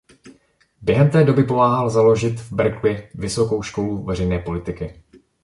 Během té doby pomáhal založit v Berkeley vysokou školu veřejné politiky.